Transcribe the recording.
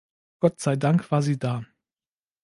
Gottseidank war sie da.